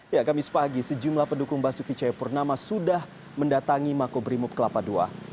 ya kami sepagi sejumlah pendukung basuki ceyapurnama sudah mendatangi mako berimob kelapa ii